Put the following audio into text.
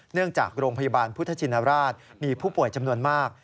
จากโรงพยาบาลพุทธชินราชมีผู้ป่วยจำนวนมาก